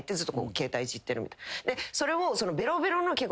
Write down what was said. それを。